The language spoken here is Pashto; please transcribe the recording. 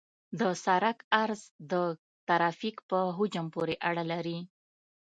د سرک عرض د ترافیک په حجم پورې اړه لري